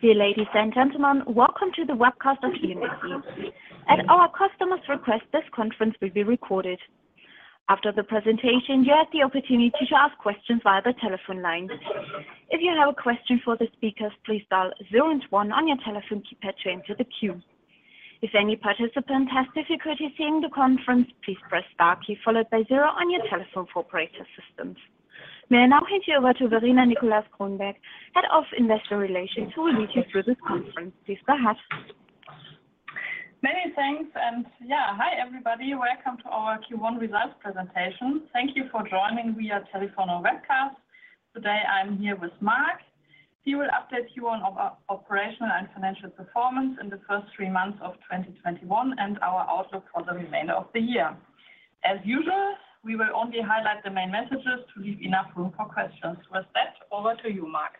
Dear ladies and gentlemen, welcome to the webcast of E.ON SE. At our customers request, this conference will be recorded. After the presentation, you have the opportunity to ask questions via the telephone line. If you have a question for the speakers, please dial zero and one on your telephone keypad to enter the queue. If any participant has difficulty hearing the conference, please press star key followed by zero on your telephone for operator assistance. May I now hand you over to Verena Nicolaus-Kronenberg, Head of Investor Relations, who will lead you through this conference. Please go ahead. Many thanks. Yeah, hi, everybody. Welcome to our Q1 Results Presentation. Thank you for joining via telephone or webcast. Today I'm here with Marc. He will update you on our operational and financial performance in the first three months of 2021 and our outlook for the remainder of the year. As usual, we will only highlight the main messages to leave enough room for questions. With that, over to you, Marc.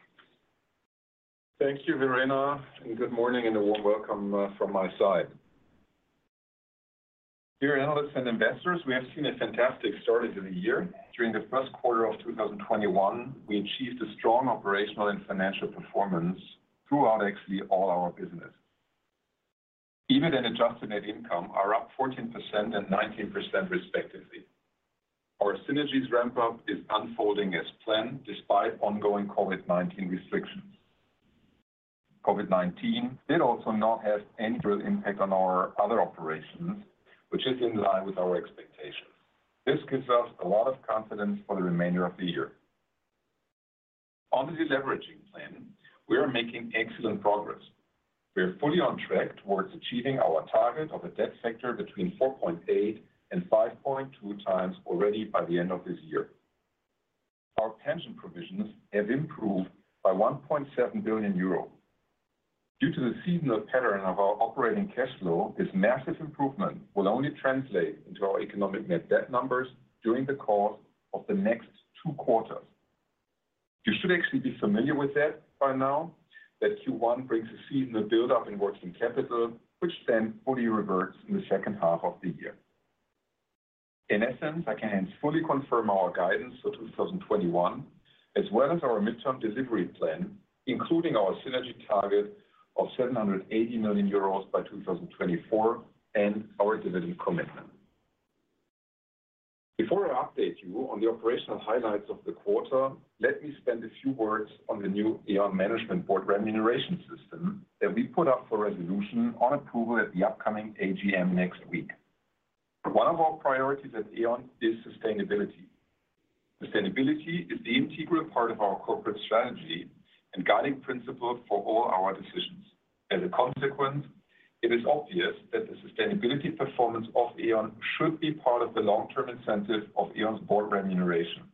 Thank you, Verena, and good morning, and a warm welcome from my side. Dear analysts and investors, we have seen a fantastic start to the year. During the first quarter of 2021, we achieved a strong operational and financial performance throughout actually all our business. EBIT and adjusted net income are up 14% and 19% respectively. Our synergies ramp-up is unfolding as planned despite ongoing COVID-19 restrictions. COVID-19 did also not have any real impact on our other operations, which is in line with our expectations. This gives us a lot of confidence for the remainder of the year. On the deleveraging plan, we are making excellent progress. We are fully on track towards achieving our target of a debt factor between 4.8x and 5.2x already by the end of this year. Our pension provisions have improved by 1.7 billion euro. Due to the seasonal pattern of our operating cash flow, this massive improvement will only translate into our economic net debt numbers during the course of the next two quarters. You should actually be familiar with that by now, that Q1 brings a seasonal buildup in working capital, which then fully reverts in the second half of the year. In essence, I can fully confirm our guidance for 2021 as well as our midterm delivery plan, including our synergy target of 780 million euros by 2024 and our dividend commitment. Before I update you on the operational highlights of the quarter, let me spend a few words on the new E.ON Management Board remuneration system that we put up for resolution on approval at the upcoming AGM next week. One of our priorities at E.ON is sustainability. Sustainability is the integral part of our corporate strategy and guiding principle for all our decisions. As a consequence, it is obvious that the sustainability performance of E.ON should be part of the long-term incentive of E.ON's board remuneration.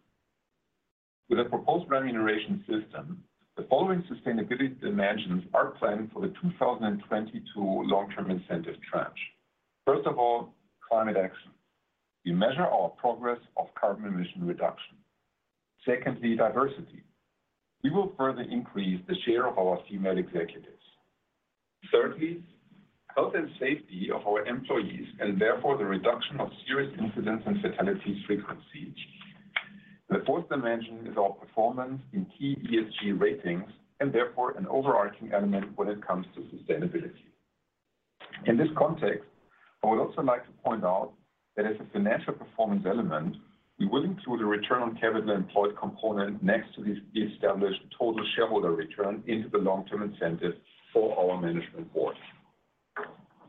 With a proposed remuneration system, the following sustainability dimensions are planned for the 2022 long-term incentive tranche. First of all, climate action. We measure our progress of carbon emission reduction. Secondly, diversity. We will further increase the share of our female executives. Thirdly, health and safety of our employees, and therefore the reduction of serious incidents and fatality frequency. The fourth dimension is our performance in key ESG ratings, and therefore an overarching element when it comes to sustainability. In this context, I would also like to point out that as a financial performance element, we will include a return on capital employed component next to the established total shareholder return into the long-term incentive for our management board.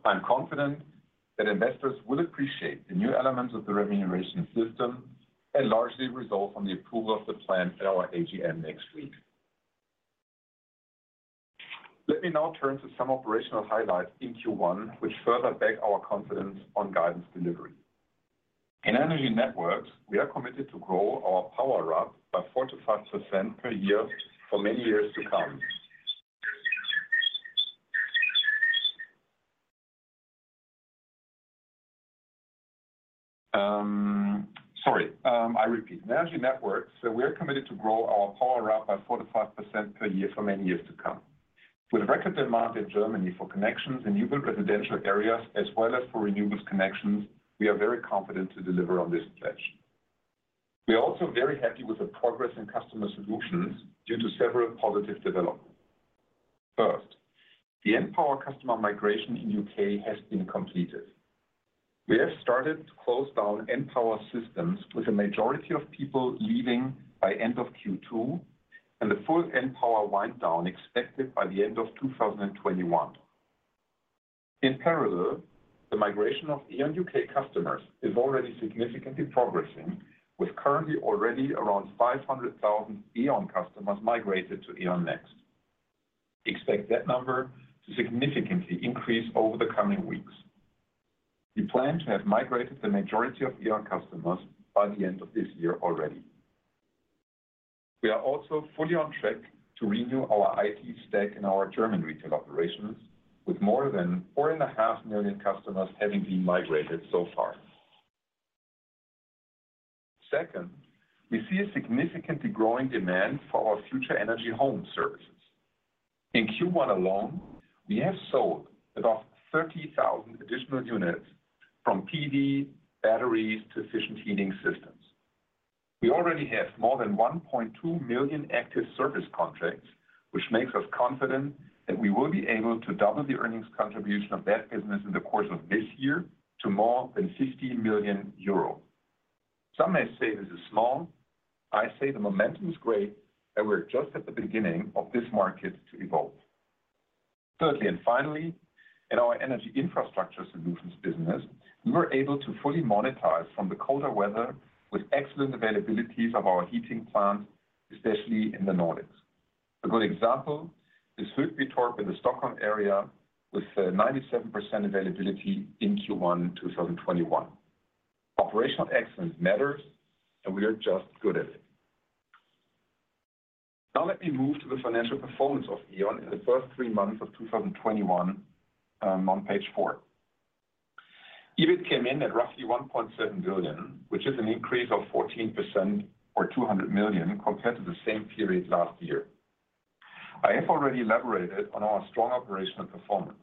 I am confident that investors will appreciate the new elements of the remuneration system and largely result on the approval of the plan at our AGM next week. Let me now turn to some operational highlights in Q1, which further back our confidence on guidance delivery. In Energy Networks, we are committed to grow our power up by 45% per year for many years to come. Sorry. I repeat. In Energy Networks, we are committed to grow our power up by 45% per year for many years to come. With a record demand in Germany for connections in new-build residential areas as well as for renewables connections, we are very confident to deliver on this pledge. We are also very happy with the progress in Customer Solutions due to several positive developments. First, the npower customer migration in U.K. has been completed. We have started to close down npower systems with the majority of people leaving by end of Q2, and the full npower wind down expected by the end of 2021. In parallel, the migration of E.ON U.K. customers is already significantly progressing, with currently already around 500,000 E.ON customers migrated to E.ON Next. Expect that number to significantly increase over the coming weeks. We plan to have migrated the majority of E.ON customers by the end of this year already. We are also fully on track to renew our IT stack in our German retail operations, with more than 4.5 million customers having been migrated so far. Second, we see a significantly growing demand for our Future Energy Home service. In Q1 alone, we have sold about 30,000 additional units from PV, batteries to efficient heating systems. We already have more than 1.2 million active service contracts, which makes us confident that we will be able to double the earnings contribution of that business in the course of this year to more than 60 million euro. Some may say this is small. I say the momentum is great, and we're just at the beginning of this market to evolve. Thirdly, and finally, in our Energy Infrastructure Solutions business, we were able to fully monetize from the colder weather with excellent availabilities of our heating plants, especially in the Nordics. A good example is Hudiksvall in the Stockholm area with 97% availability in Q1 2021. Operational excellence matters, we are just good at it. Let me move to the financial performance of E.ON in the first three months of 2021, on page four. EBIT came in at roughly 1.7 billion, which is an increase of 14% or 200 million compared to the same period last year. I have already elaborated on our strong operational performance.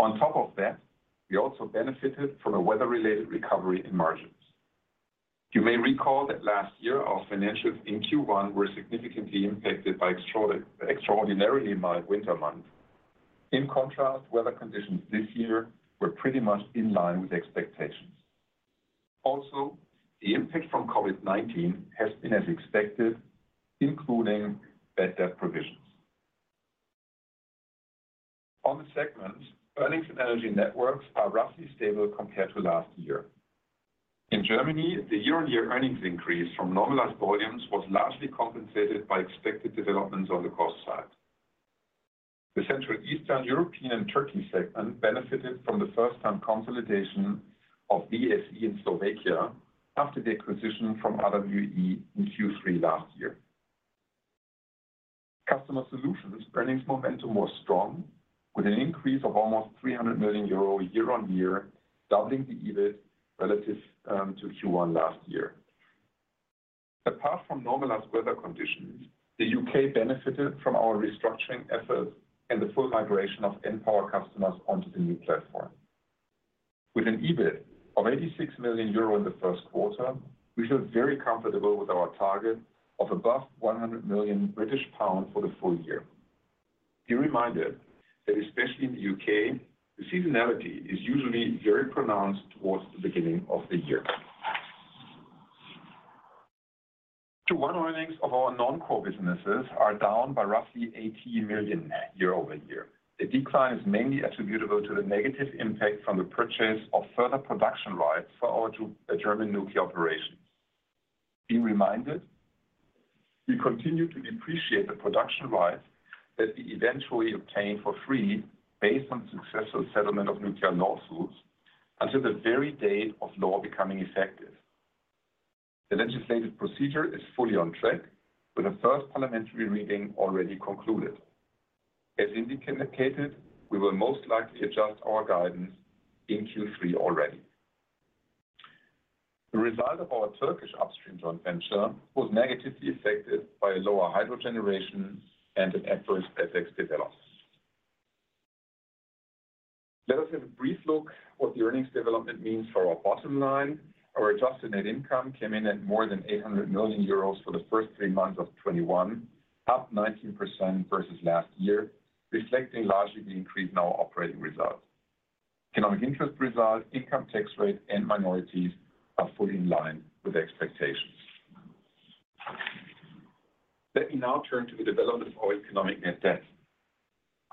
On top of that, we also benefited from a weather-related recovery in margins. You may recall that last year, our financials in Q1 were significantly impacted by extraordinarily mild winter months. In contrast, weather conditions this year were pretty much in line with expectations. Also, the impact from COVID-19 has been as expected, including bad debt provisions. On the segment, earnings and Energy Networks are roughly stable compared to last year. In Germany, the year-on-year earnings increase from normalized volumes was largely compensated by expected developments on the cost side. The Central Eastern European and Turkey segment benefited from the first-time consolidation of VSE in Slovakia after the acquisition from RWE in Q3 last year. Customer Solutions earnings momentum was strong, with an increase of almost 300 million euro year-on-year, doubling the EBIT relative to Q1 last year. Apart from normalized weather conditions, the U.K. benefited from our restructuring efforts and the full migration of npower customers onto the new platform. With an EBIT of 86 million euro in the first quarter, we feel very comfortable with our target of above 100 million British pounds for the full year. Be reminded that especially in the U.K., the seasonality is usually very pronounced towards the beginning of the year. Q1 earnings of our non-core businesses are down by roughly 80 million year-over-year. The decline is mainly attributable to the negative impact from the purchase of further production rights for our two German nuclear operations. Be reminded, we continue to depreciate the production rights that we eventually obtain for free based on successful settlement of nuclear lawsuits until the very date of law becoming effective. The legislative procedure is fully on track, with the first parliamentary reading already concluded. As indicated, we will most likely adjust our guidance in Q3 already. The result of our Turkish upstream joint venture was negatively affected by lower hydro generation and an adverse FX development. Let us have a brief look what the earnings development means for our bottom line. Our adjusted net income came in at more than 800 million euros for the first three months of 2021, up 19% versus last year, reflecting largely the increase in our operating results. Economic interest results, income tax rate, and minorities are fully in line with expectations. Let me now turn to the development of our economic net debt.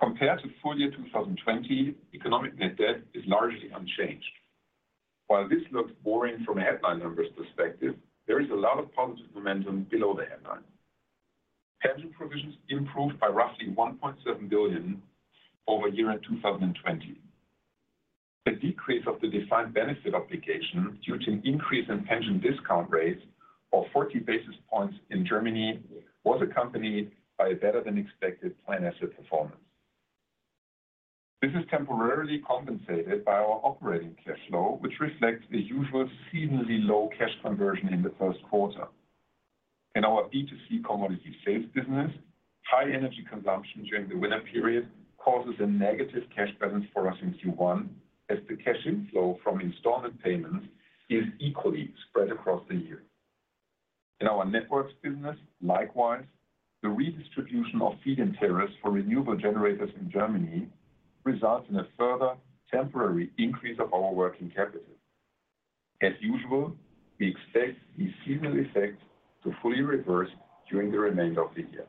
Compared to full year 2020, economic net debt is largely unchanged. While this looks boring from a headline numbers perspective, there is a lot of positive momentum below the headline. Pension provisions improved by roughly 1.7 billion over year-end 2020. The decrease of the defined benefit obligation due to an increase in pension discount rates of 40 basis points in Germany was accompanied by a better-than-expected financial performance. This is temporarily compensated by our operating cash flow, which reflects the usual seasonally low cash conversion in the first quarter. In our B2C commodity sales business, high energy consumption during the winter period causes a negative cash balance for us in Q1, as the cash inflow from installment payments is equally spread across the year. In our networks business, likewise, the redistribution of feed-in tariffs for renewable generators in Germany results in a further temporary increase of our working capital. As usual, we expect the seasonal effect to fully reverse during the remainder of the year.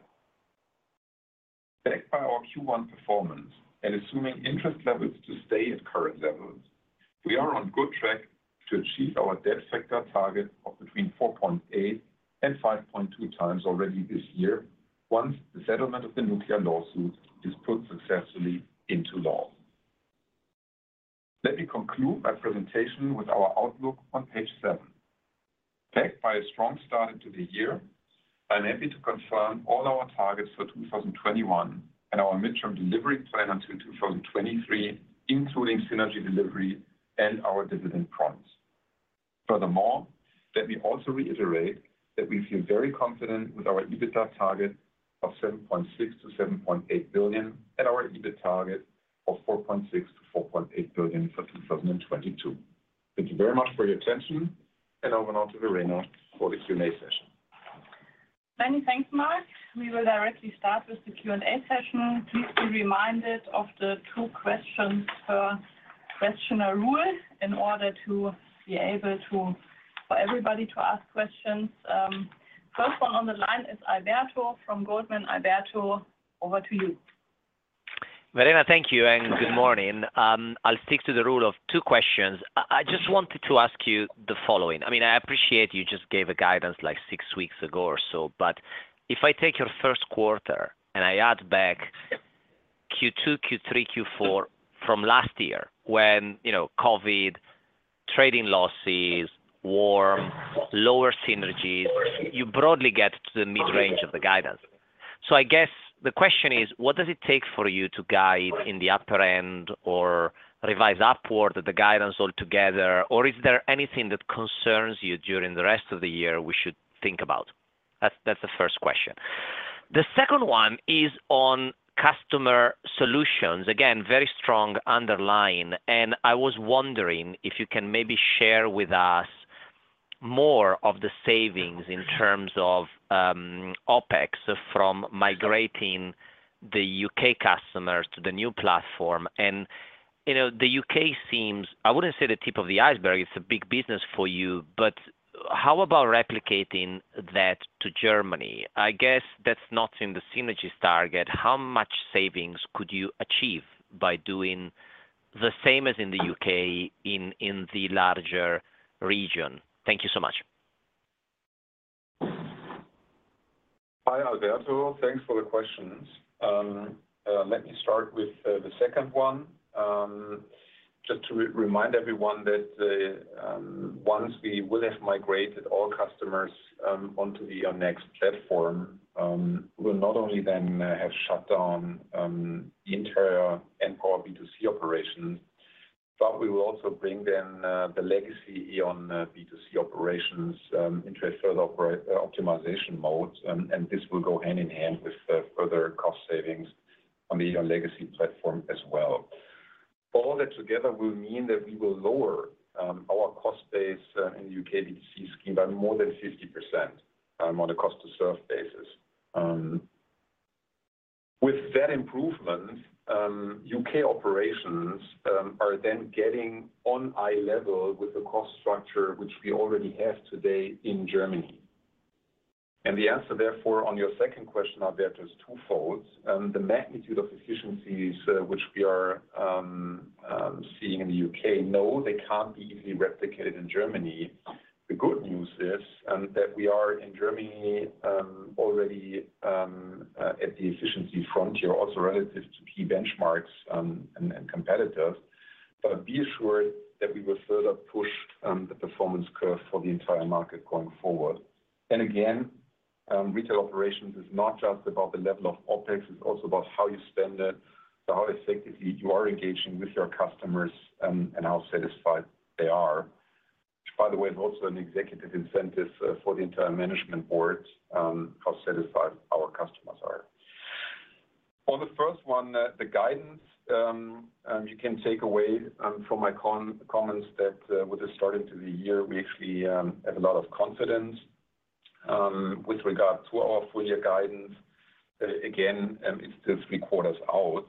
Backed by our Q1 performance and assuming interest levels to stay at current levels, we are on good track to achieve our debt factor target of between 4.8x and 5.2x already this year, once the settlement of the nuclear lawsuit is put successfully into law. Let me conclude my presentation with our outlook on page seven. Backed by a strong start into the year, I'm happy to confirm all our targets for 2021 and our midterm delivery plan until 2023, including synergy delivery and our dividend promise. Furthermore, let me also reiterate that we feel very confident with our EBITDA target of 7.6 billion-7.8 billion and our EBIT target of 4.6 billion-4.8 billion for 2022. Thank you very much for your attention, and over now to Verena for the Q&A session. Many thanks, Marc. We will directly start with the Q&A session. Please be reminded of the two questions per questioner rule in order to be able for everybody to ask questions. First one on the line is Alberto Gandolfi from Goldman Sachs. Alberto, over to you. Verena, thank you and good morning. I'll stick to the rule of two questions. I just wanted to ask you the following. I appreciate you just gave a guidance six weeks ago or so, but if I take your first quarter and I add back Q2, Q3, Q4 from last year, when COVID-19, trading losses, warm, lower synergies, you broadly get to the mid-range of the guidance. I guess the question is, what does it take for you to guide in the upper end or revise upward the guidance altogether, or is there anything that concerns you during the rest of the year we should think about? That's the first question. The second one is on Customer Solutions. Again, very strong underlying, I was wondering if you can maybe share with us more of the savings in terms of OpEx from migrating the U.K. customers to the new platform. The U.K. seems, I wouldn't say the tip of the iceberg, it's a big business for you, but how about replicating that to Germany? I guess that's not in the synergies target. How much savings could you achieve by doing the same as in the U.K. in the larger region? Thank you so much. Hi, Alberto. Thanks for the questions. Let me start with the second one. Just to remind everyone that once we will have migrated all customers onto the E.ON Next platform, we'll not only then have shut down the entire npower B2C operation, but we will also bring then the legacy E.ON B2C operations into a further optimization mode. This will go hand-in-hand with further cost savings on the E.ON legacy platform as well. All that together will mean that we will lower our cost base in the U.K. B2C scheme by more than 50% on a cost to serve basis. With that improvement, U.K. operations are then getting on eye level with the cost structure which we already have today in Germany. The answer, therefore, on your second question, Alberto, is twofolds. The magnitude of efficiencies which we are seeing in the U.K., no, they can't be easily replicated in Germany. The good news is that we are in Germany already at the efficiency frontier also relative to key benchmarks and competitors. Be assured that we will further push the performance curve for the entire market going forward. Again, retail operations is not just about the level of OpEx, it's also about how you spend it, about how effectively you are engaging with your customers, and how satisfied they are. Which, by the way, is also an executive incentive for the entire management board, how satisfied our customers are. On the first one, the guidance, you can take away from my comments that with the start into the year, we actually have a lot of confidence with regards to our full-year guidance. Again, it's still three quarters out.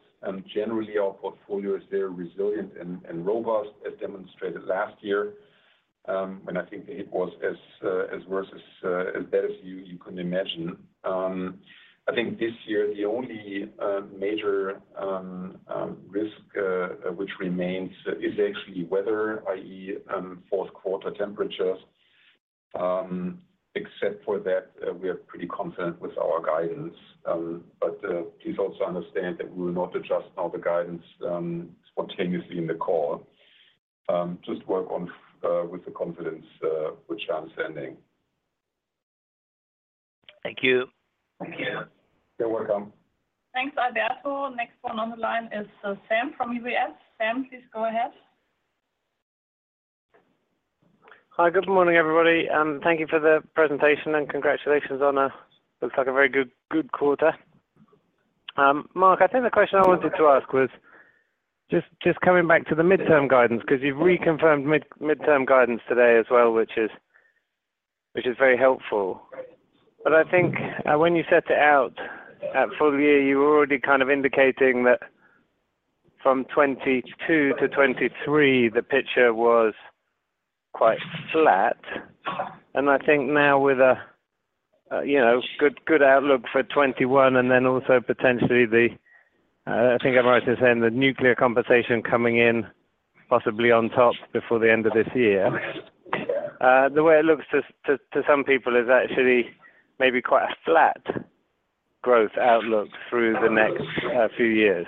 Generally, our portfolio is there, resilient and robust as demonstrated last year, when I think the hit was as bad as you could imagine. I think this year, the only major risk which remains is actually weather, i.e., fourth quarter temperatures. Except for that, we are pretty confident with our guidance. Please also understand that we will not adjust now the guidance spontaneously in the call. Just work on with the confidence which I'm sending. Thank you. Thank you. You're welcome. Thanks, Alberto. Next one on the line is Sam Arie from UBS. Sam, please go ahead. Hi. Good morning, everybody. Thank you for the presentation, and congratulations on a, looks like a very good quarter. Marc, I think the question I wanted to ask was just coming back to the midterm guidance, because you've reconfirmed midterm guidance today as well, which is very helpful. I think when you set it out at full year, you were already kind of indicating that from 2022 to 2023, the picture was quite flat. I think now with a good outlook for 2021 and then also potentially the, I think I'm right in saying the nuclear compensation coming in possibly on top before the end of this year. The way it looks to some people is actually maybe quite a flat growth outlook through the next few years.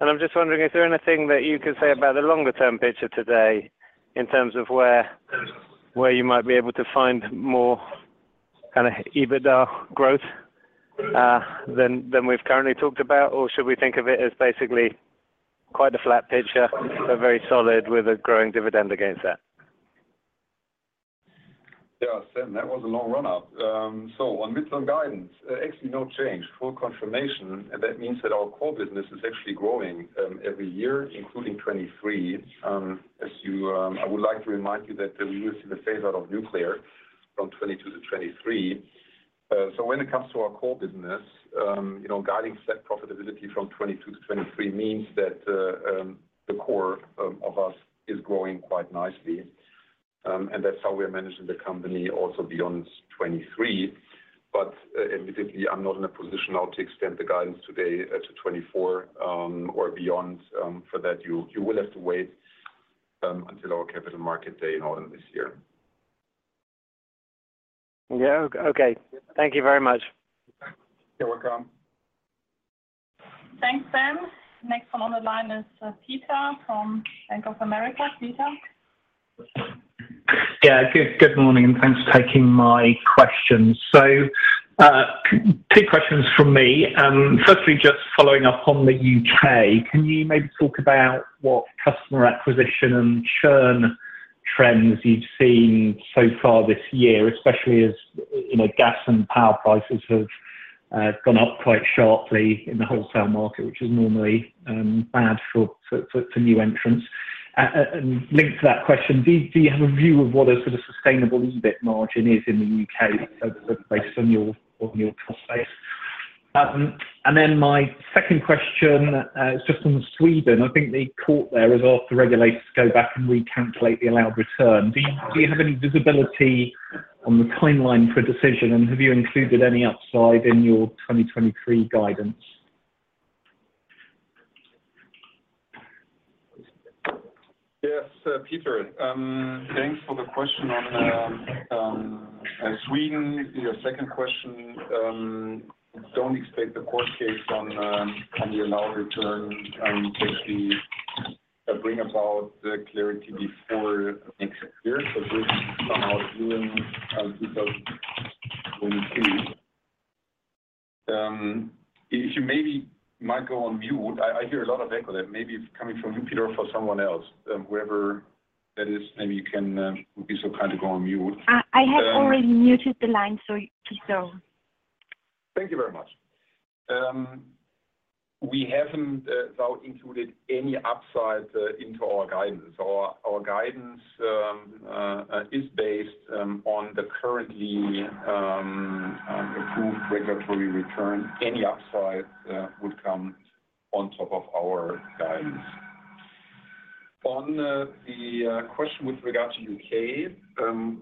I'm just wondering, is there anything that you could say about the longer-term picture today in terms of where you might be able to find more kind of EBITDA growth than we've currently talked about, or should we think of it as basically quite a flat picture, but very solid with a growing dividend against that? Yeah, Sam, that was a long run-up. On mid-term guidance, actually no change. Full confirmation. That means that our core business is actually growing every year, including 2023. I would like to remind you that we will see the phase out of nuclear from 2022 to 2023. When it comes to our core business, guiding set profitability from 2022 to 2023 means that the core of us is growing quite nicely. That's how we are managing the company also beyond 2023. Admittedly, I'm not in a position now to extend the guidance today to 2024 or beyond. For that, you will have to wait until our Capital Market Day in autumn this year. Yeah. Okay. Thank you very much. You're welcome. Thanks, Sam. Next one on the line is Peter from Bank of America. Peter? Yeah. Good morning, thanks for taking my questions. Two questions from me. Firstly, just following up on the U.K., can you maybe talk about what customer acquisition and churn trends you've seen so far this year, especially as gas and power prices have gone up quite sharply in the wholesale market, which is normally bad for new entrants. Linked to that question, do you have a view of what a sort of sustainable EBIT margin is in the U.K. based on your cost base? My second question is just on Sweden. I think the court there has asked the regulators to go back and recalculate the allowed return. Do you have any visibility on the timeline for a decision? Have you included any upside in your 2023 guidance? Yes, Peter. Thanks for the question on Sweden. Your second question, don't expect the court case on the allowed return in Q3 to bring about the clarity before next year. This is somehow June 2022. If you maybe might go on mute. I hear a lot of echo there. Maybe it's coming from you, Peter, or from someone else. Whoever that is, maybe you can be so kind to go on mute. I have already muted the line, Sir Spieker. Thank you very much. We haven't as of now included any upside into our guidance. Our guidance is based on the currently approved regulatory return. Any upside would come on top of our guidance. On the question with regard to U.K.,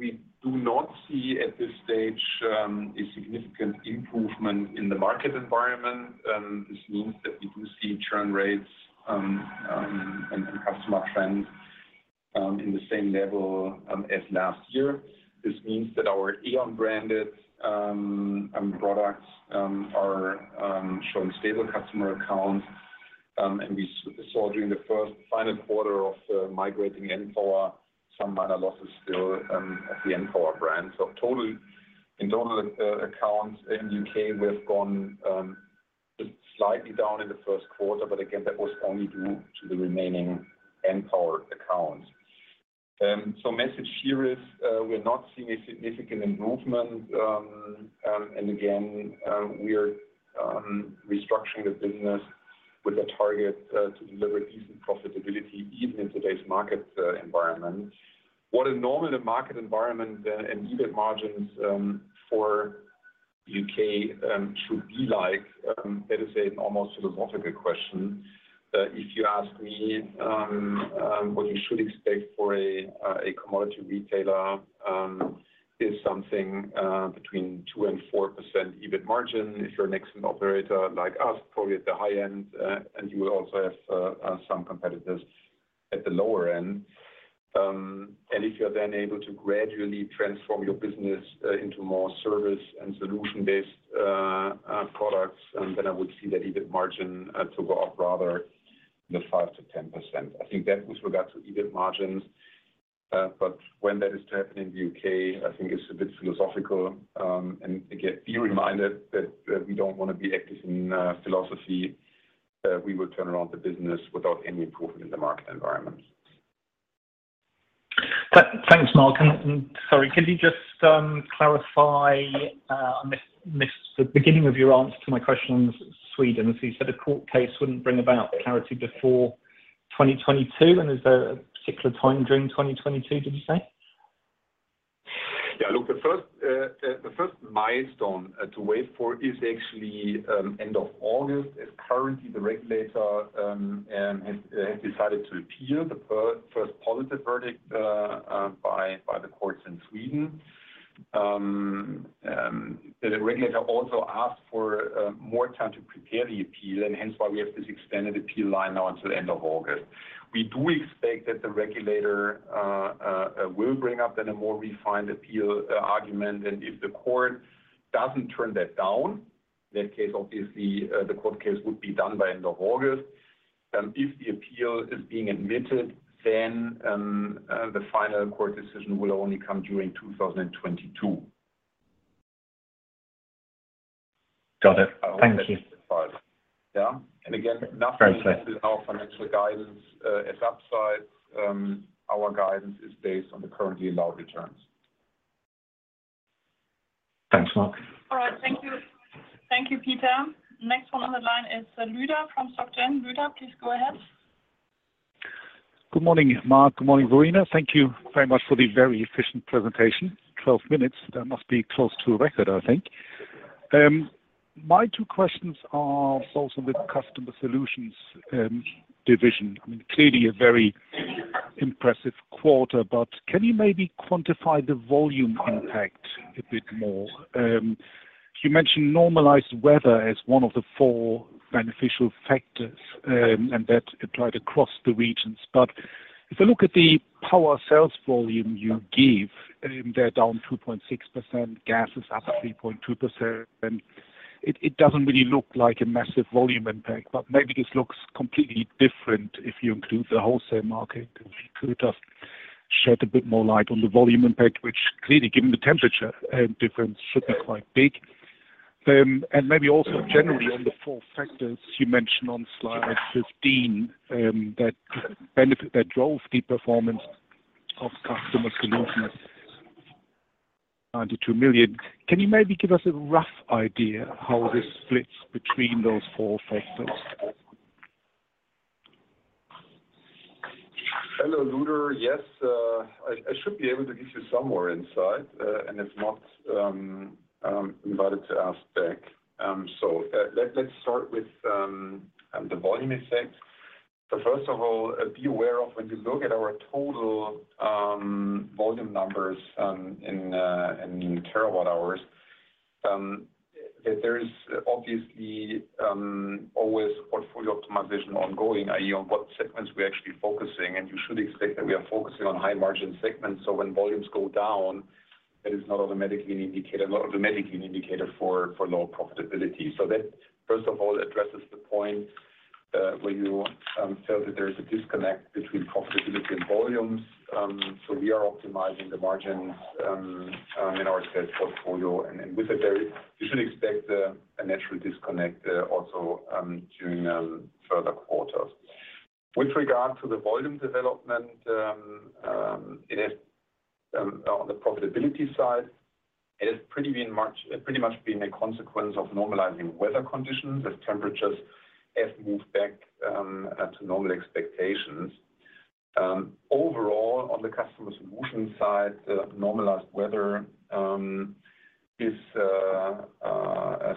we do not see at this stage a significant improvement in the market environment. We do see churn rates and customer trends in the same level as last year. Our E.ON-branded products are showing stable customer accounts. We saw during the first quarter of migrating npower, some minor losses still at the npower brand. In total accounts in U.K., we have gone slightly down in the first quarter, but again, that was only due to the remaining npower accounts. Message here is, we are not seeing a significant improvement. Again, we are restructuring the business with a target to deliver decent profitability even in today's market environment. What a normal market environment and EBIT margins for U.K. should be like, that is an almost philosophical question. If you ask me, what you should expect for a commodity retailer is something between 2% and 4% EBIT margin. If you're a mixed operator like us, probably at the high end, and you will also have some competitors at the lower end. If you're then able to gradually transform your business into more service and solution-based products, then I would see that EBIT margin to go up rather than 5%-10%. I think that with regard to EBIT margins. When that is to happen in the U.K., I think it's a bit philosophical. Again, be reminded that we don't want to be active in philosophy. We will turn around the business without any improvement in the market environment. Thanks, Marc. Sorry, can you just clarify, I missed the beginning of your answer to my question on Sweden. You said a court case wouldn't bring about clarity before 2022, and is there a particular time during 2022, did you say? Yeah. Look, the first milestone to wait for is actually end of August, as currently the regulator has decided to appeal the first positive verdict by the courts in Sweden. Hence why we have this extended appeal line now until end of August. We do expect that the regulator will bring up then a more refined appeal argument. If the court doesn't turn that down, that case, obviously, the court case would be done by end of August. If the appeal is being admitted, then the final court decision will only come during 2022. Got it. Thank you. Yeah. Very clear. Nothing changes our financial guidance. At upside, our guidance is based on the currently allowed returns. Thanks, Marc. All right. Thank you, Peter. Next one on the line is Lueder Schumacher from Société Générale. Lueder Schumacher, please go ahead. Good morning, Marc. Good morning, Verena. Thank you very much for the very efficient presentation. 12 minutes, that must be close to a record, I think. My two questions are both on the Customer Solutions division. Clearly a very impressive quarter, but can you maybe quantify the volume impact a bit more? You mentioned normalized weather as one of the four beneficial factors, and that applied across the regions. If I look at the power sales volume you give, they're down 2.6%, gas is up 3.2%, and it doesn't really look like a massive volume impact. Maybe this looks completely different if you include the wholesale market. If you could just shed a bit more light on the volume impact, which clearly, given the temperature difference, should be quite big. Maybe also generally on the four factors you mentioned on slide 15, that drove the performance of Customer Solutions, 92 million. Can you maybe give us a rough idea how this splits between those four factors? Hello, Lueder. Yes. I should be able to give you some more insight. It's not invited to ask back. Let's start with the volume effect. First of all, be aware of when we look at our total volume numbers in terawatt hours, that there is obviously always portfolio optimization ongoing, i.e., on what segments we're actually focusing. You should expect that we are focusing on high-margin segments. When volumes go down, that is not an automatic indicator for low profitability. That, first of all, addresses the point where you felt that there is a disconnect between profitability and volumes. We are optimizing the margins in our sales portfolio. You should expect a natural disconnect there also during further quarters. With regard to the volume development, on the profitability side, it has pretty much been a consequence of normalizing weather conditions as temperatures have moved back to normal expectations. Overall, on the Customer Solutions side, normalized weather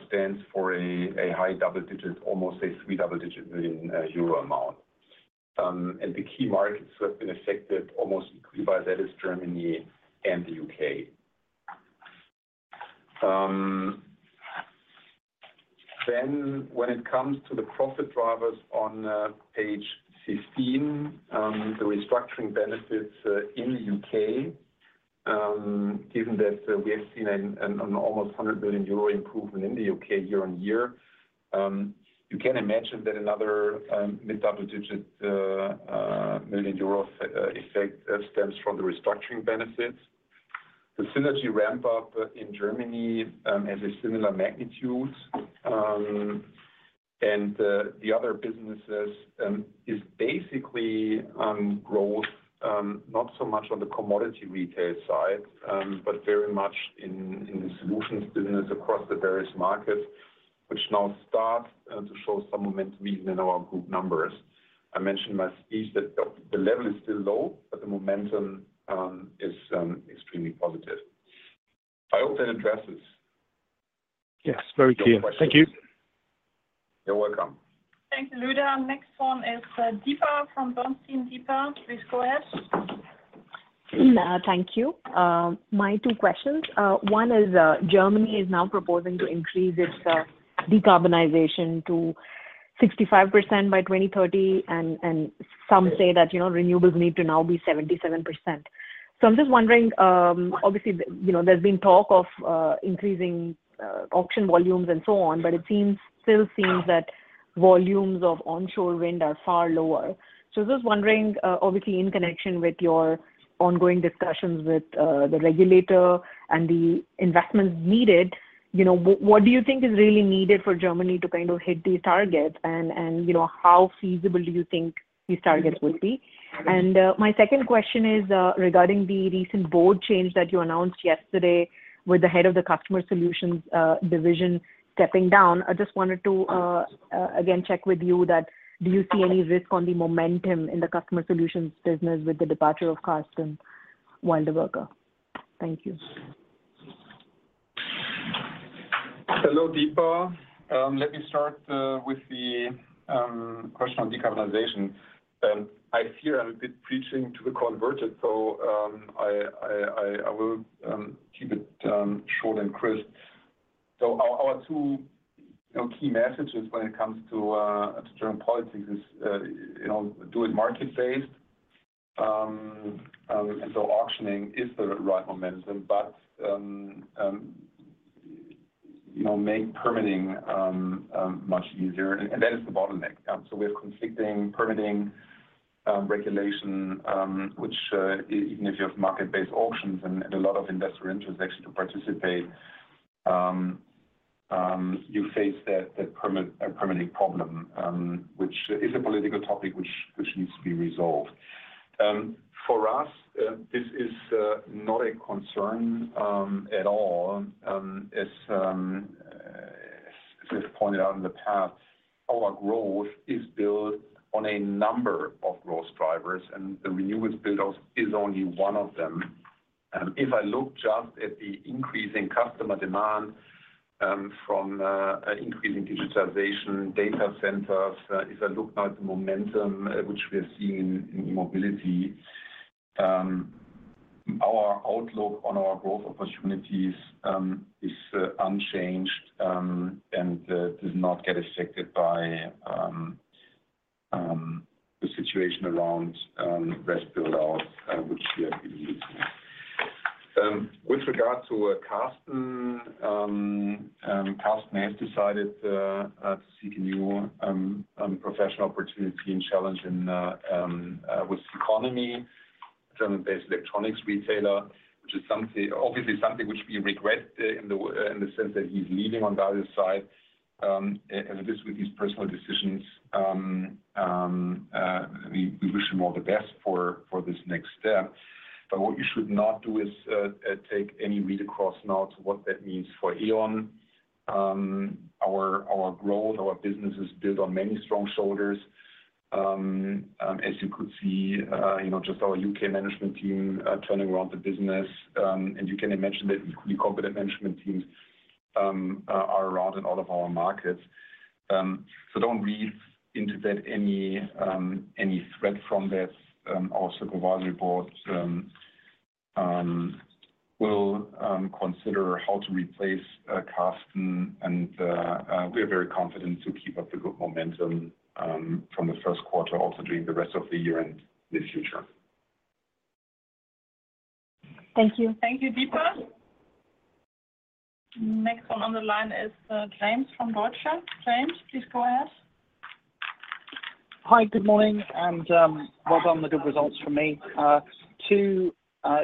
stands for a high double-digit, almost a triple-digit million euro amount. The key markets that have been affected almost equally by that is Germany and the U.K. When it comes to the profit drivers on page 15, the restructuring benefits in the U.K., given that we have seen an almost 100 million euro improvement in the U.K. year-on-year, you can imagine that another mid-double-digit million euro effect stems from the restructuring benefits. The synergy ramp-up in Germany has a similar magnitude. The other businesses is basically growth, not so much on the commodity retail side, but very much in the Solutions business across the various markets, which now start to show some momentum even in our group numbers. I mentioned in my speech that the level is still low, but the momentum is extremely positive. Yes, very clear. Thank you. You're welcome. Thanks, Lueder Next one is Deepa from Bernstein. Deepa, please go ahead. Thank you. My two questions. Germany is now proposing to increase its decarbonization to 65% by 2030, and some say that renewables need to now be 77%. I'm just wondering, obviously, there's been talk of increasing auction volumes and so on, but it still seems that volumes of onshore wind are far lower. I'm just wondering, obviously in connection with your ongoing discussions with the regulator and the investments needed, what do you think is really needed for Germany to hit these targets, and how feasible do you think these targets will be? My second question is regarding the recent board change that you announced yesterday with the head of the Customer Solutions division stepping down. I just wanted to, again, check with you that do you see any risk on the momentum in the Customer Solutions business with the departure of Karsten Wildberger? Thank you. Hello, Deepa. Let me start with the question on decarbonization. I fear I'm a bit preaching to the converted, so I will keep it short and crisp. Our two key messages when it comes to German policies is do it market-based. Auctioning is the right momentum, but make permitting much easier. That is the bottleneck. We have conflicting permitting regulation, which even if you have market-based auctions and a lot of investor interest actually to participate, you face that permitting problem, which is a political topic which needs to be resolved. For us, this is not a concern at all. As just pointed out in the past, our growth is built on a number of growth drivers, and the renewables build-out is only one of them. If I look just at the increase in customer demand from increasing digitization, data centers, if I look now at the momentum which we are seeing in mobility, our outlook on our growth opportunities is unchanged, and does not get affected by the situation around RES build-out, which we are pretty easy. With regard to Karsten may have decided to seek a new professional opportunity and challenge with CECONOMY, German-based electronics retailer, which is obviously something which we regret in the sense that he's leaving on the other side. With his personal decisions, we wish him all the best for this next step. What you should not do is take any read across now to what that means for E.ON. Our growth, our business is built on many strong shoulders. As you could see, just our U.K. management team turning around the business, and you can imagine that equally competent management teams are around in all of our markets. Don't read into that any threat from that. Our supervisory board will consider how to replace Karsten, and we are very confident to keep up the good momentum from the first quarter also during the rest of the year and the future. Thank you. Thank you, Deepa. Next one on the line is James from Deutsche Bank. James, please go ahead. Hi, good morning, and well done on the good results from me. Two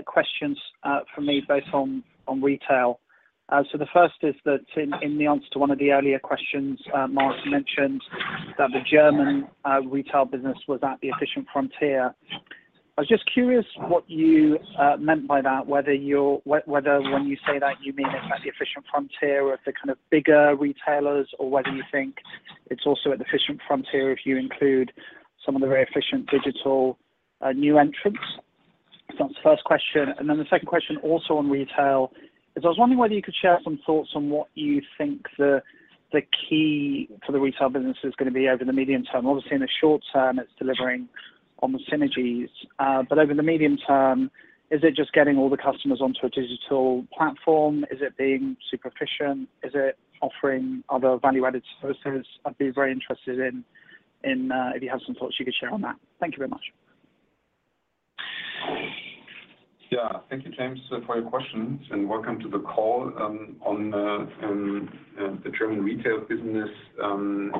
questions from me, both on retail. The first is that in the answer to one of the earlier questions, Marc mentioned that the German retail business was at the efficient frontier. I was just curious what you meant by that, whether when you say that, you mean it's at the efficient frontier of the kind of bigger retailers, or whether you think it's also at the efficient frontier if you include some of the very efficient digital new entrants. That's the first question. The second question, also on retail, is I was wondering whether you could share some thoughts on what you think the key for the retail business is going to be over the medium term. Obviously, in the short term, it's delivering on the synergies. Over the medium term, is it just getting all the customers onto a digital platform? Is it being super efficient? Is it offering other value-added services? I'd be very interested in if you have some thoughts you could share on that. Thank you very much. Yeah. Thank you, James, for your questions, and welcome to the call. On the German retail business, and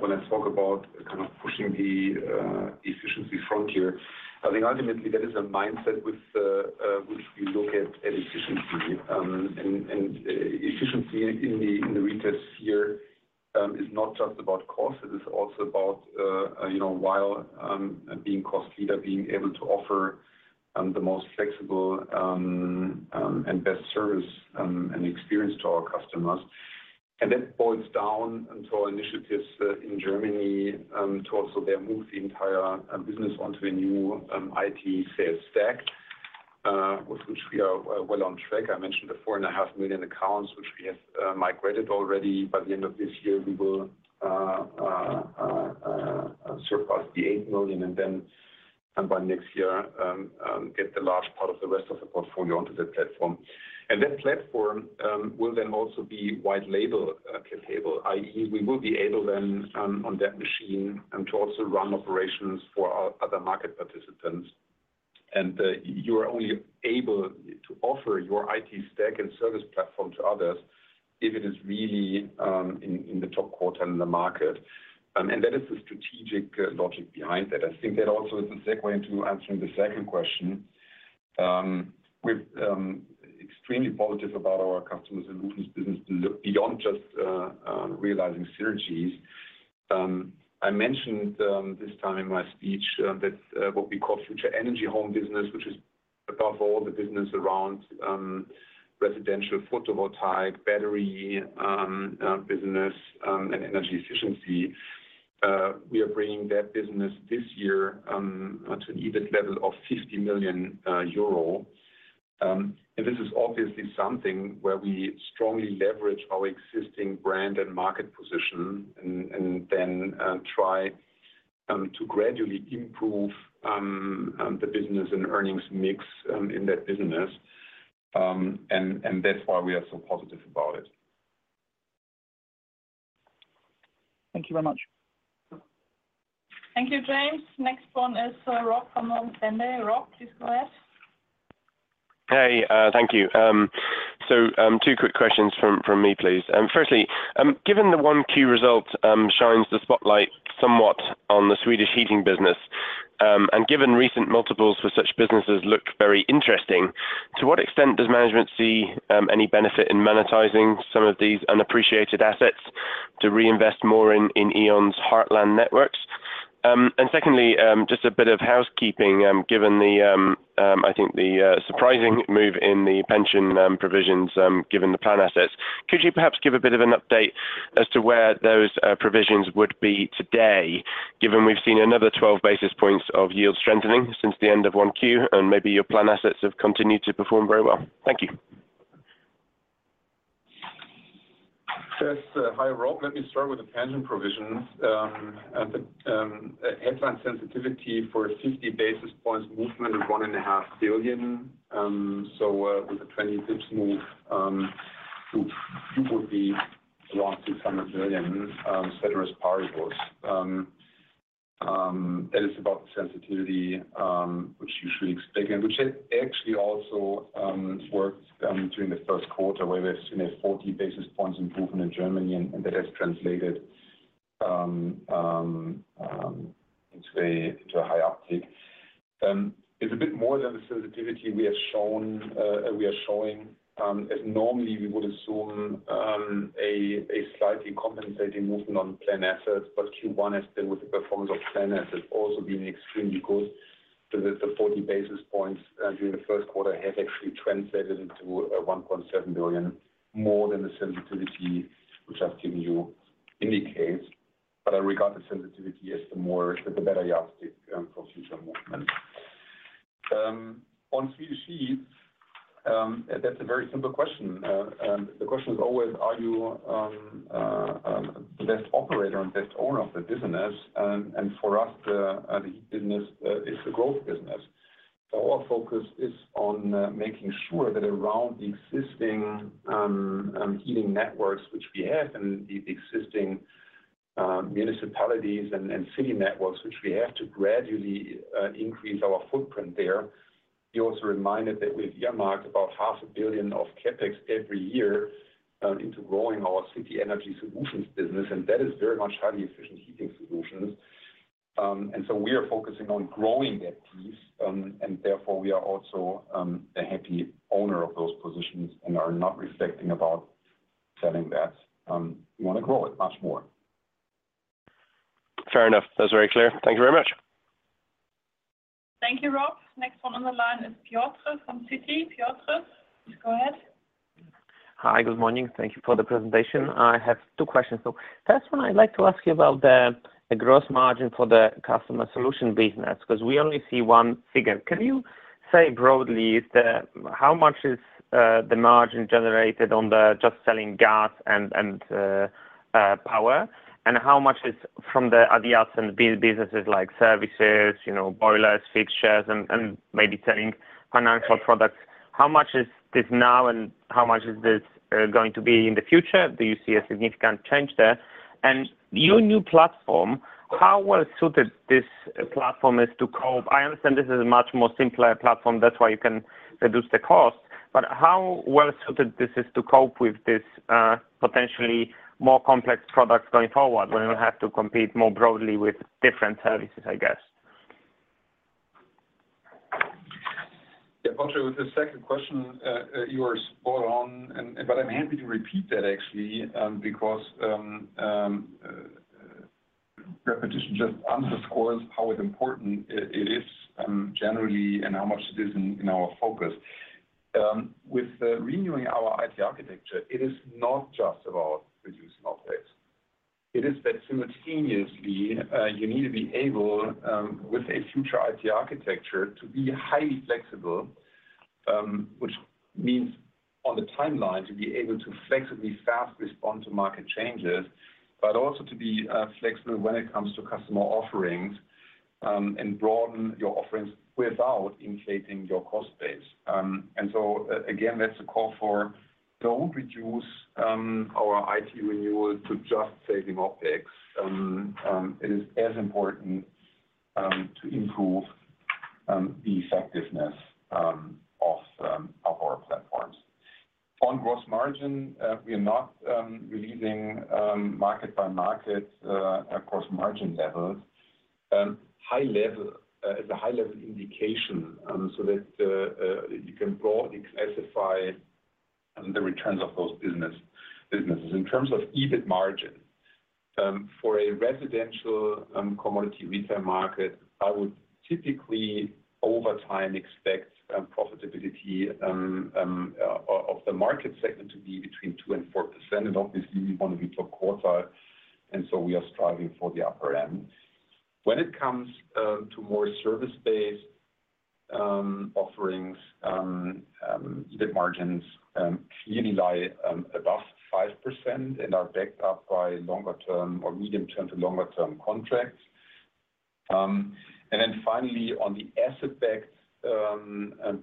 when I talk about kind of pushing the efficiency frontier, I think ultimately that is a mindset with which we look at efficiency. Efficiency in the retail sphere is not just about cost, it is also about while being cost leader, being able to offer the most flexible and best service and experience to our customers. That boils down into our initiatives in Germany to also there move the entire business onto a new IT sales stack, with which we are well on track. I mentioned the 4.5 million accounts which we have migrated already. By the end of this year, we will surpass the 8 million, and then by next year, get the large part of the rest of the portfolio onto that platform. That platform will then also be white label capable, i.e., we will be able then on that machine to also run operations for our other market participants. You are only able to offer your IT stack and service platform to others if it is really in the top quarter in the market. That is the strategic logic behind that. I think that also is a segue into answering the second question. We're extremely positive about our Customer Solutions business beyond just realizing synergies. I mentioned this time in my speech that what we call Future Energy Home business, which is above all the business around residential photovoltaic, battery business, and energy efficiency. We are bringing that business this year to an EBIT level of EUR 50 million. This is obviously something where we strongly leverage our existing brand and market position and then try to gradually improve the business and earnings mix in that business. That's why we are so positive about it. Thank you very much. Thank you, James. Next one is Rob Pulleyn from Morgan Stanley. Rob, please go ahead. Hey, thank you. Two quick questions from me, please. Firstly, given the one key result shines the spotlight somewhat on the Swedish heating business, and given recent multiples for such businesses look very interesting, to what extent does management see any benefit in monetizing some of these unappreciated assets to reinvest more in E.ON's heartland networks? Secondly, just a bit of housekeeping, given the surprising move in the pension provisions, given the plan assets. Could you perhaps give a bit of an update as to where those provisions would be today, given we've seen another 12 basis points of yield strengthening since the end of Q1, and maybe your plan assets have continued to perform very well. Thank you. Yes. Hi, Rob. Let me start with the pension provisions. At the headline sensitivity for 50 basis points movement is 1.5 billion. With a 20 basis points move, it would be around 200 million, ceteris paribus. That is about the sensitivity, which you should expect and which has actually also worked during the first quarter, where we've seen a 40 basis points improvement in Germany, and that has translated into a higher uptake. It's a bit more than the sensitivity we are showing, as normally we would assume a slightly compensating movement on plan assets. Q1 has been with the performance of plan assets also being extremely good. The 40 basis points during the first quarter have actually translated into 1.7 billion more than the sensitivity which I've given you indicates. I regard the sensitivity as the better heuristic for future movement. On Swedish heat, that's a very simple question. The question is always, are you the best operator and best owner of the business? For us, the heat business is the growth business. Our focus is on making sure that around the existing heating networks which we have and the existing municipalities and city networks, which we have to gradually increase our footprint there. You're also reminded that we've earmarked about EUR half a billion of CapEx every year into growing our city energy solutions business, and that is very much highly efficient heating solutions. We are focusing on growing that piece, and therefore we are also a happy owner of those positions and are not reflecting about selling that. We want to grow it much more. Fair enough. That's very clear. Thank you very much. Thank you, Rob. Next one on the line is Piotr from Citigroup. Piotr, please go ahead. Hi. Good morning. Thank you for the presentation. I have two questions. First one, I'd like to ask you about the gross margin for the Customer Solutions business, because we only see one figure. Can you say broadly how much is the margin generated on the just selling gas and power, and how much is from the other businesses like services, boilers, fixtures, and maybe selling financial products? How much is this now, and how much is this going to be in the future? Do you see a significant change there? Your new platform, how well-suited this platform is to cope? I understand this is a much more simpler platform, that's why you can reduce the cost. How well-suited this is to cope with this potentially more complex products going forward when you have to compete more broadly with different services, I guess? Piotr, with the second question, you are spot on. I'm happy to repeat that actually, because repetition just underscores how important it is generally and how much it is in our focus. With renewing our IT architecture, it is not just about reducing OpEx. It is that simultaneously, you need to be able, with a future IT architecture, to be highly flexible, which means on the timeline, to be able to flexibly fast respond to market changes, but also to be flexible when it comes to customer offerings, and broaden your offerings without increasing your cost base. Again, that's a call for don't reduce our IT renewal to just saving OpEx. It is as important to improve the effectiveness of our platforms. On gross margin, we are not releasing market-by-market gross margin levels. As a high-level indication, so that you can broadly classify the returns of those businesses. In terms of EBIT margin, for a residential commodity retail market, I would typically over time expect profitability of the market segment to be between 2% and 4%. Obviously we want to beat our quarter. We are striving for the upper end. When it comes to more service-based offerings, EBIT margins clearly lie above 5% and are backed up by longer-term or medium-term to longer-term contracts. Finally, on the asset-backed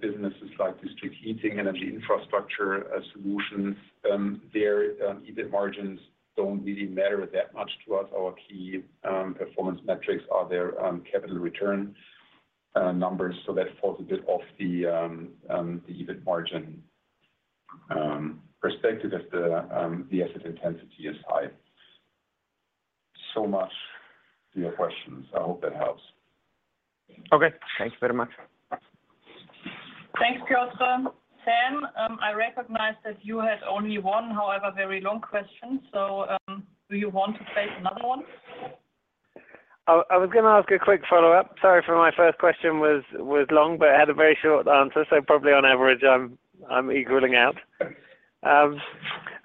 businesses like district heating, Energy Infrastructure Solutions, their EBIT margins don't really matter that much to us. Our key performance metrics are their capital return numbers. That falls a bit off the EBIT margin perspective as the asset intensity is high. Much to your questions. I hope that helps. Okay. Thank you very much. Thanks, Piotr. Sam, I recognize that you had only one, however, very long question. Do you want to place another one? I was going to ask a quick follow-up. Sorry for my first question was long, but it had a very short answer, so probably on average, I'm equaling out.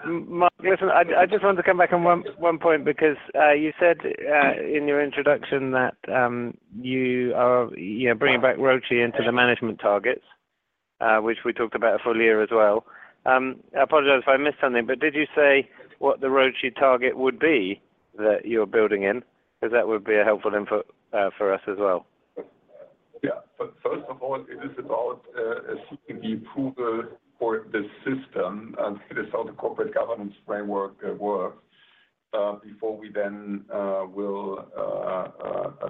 Marc, listen, I just wanted to come back on one point because you said in your introduction that you are bringing back ROCE into the management targets, which we talked about for earlier as well. I apologize if I missed something, but did you say what the ROCE target would be that you're building in? Because that would be a helpful input for us as well. Yeah. First of all, it is about seeking the approval for the system, and this is how the corporate governance framework works, before we then will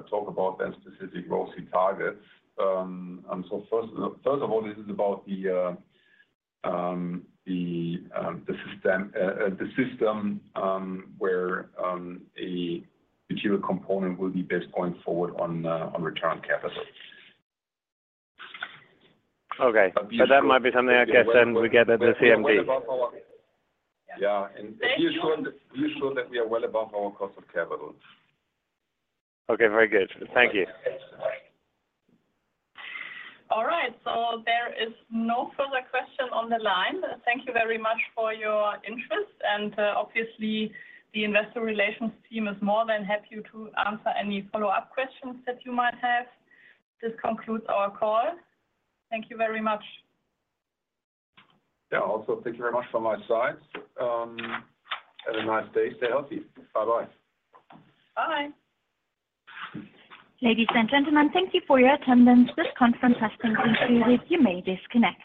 talk about the specific ROCE targets. First of all, this is about the system where a material component will be best going forward on return on capital. Okay. That might be something, I guess, then we get at the CMD. Yeah. Thank you. We're sure that we are well above our cost of capital. Okay, very good. Thank you. All right. There is no further question on the line. Thank you very much for your interest. Obviously, the Investor Relations team is more than happy to answer any follow-up questions that you might have. This concludes our call. Thank you very much. Yeah, also thank you very much from my side. Have a nice day. Stay healthy. Bye-bye. Bye. Ladies and gentlemen, thank you for your attendance. This conference has concluded. You may disconnect.